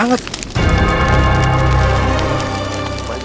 jangan sampai kita terlambat sedikit